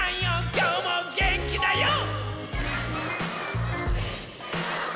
きょうもげんきだＹＯ！」